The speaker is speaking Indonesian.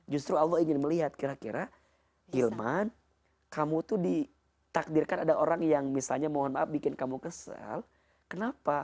justru allah ingin melihat kira kira hilman kamu tuh ditakdirkan ada orang yang misalnya mohon maaf bikin kamu kesel kenapa